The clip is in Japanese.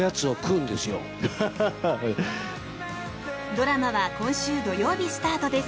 ドラマは今週土曜日スタートです。